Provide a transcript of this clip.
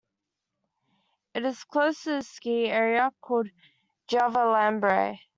It is close to the ski area called Javalambre.